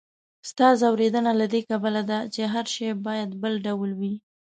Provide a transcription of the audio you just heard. ستا ځوریدنه له دې کبله ده، چې هر شی باید بل ډول وي.